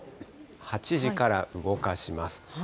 ８時から動かします。